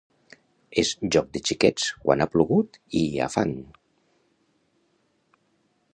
És joc de xiquets quan ha plogut i hi ha fang.